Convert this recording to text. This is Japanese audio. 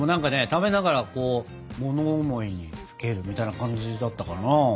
食べながらこう物思いにふけるみたいな感じだったかな。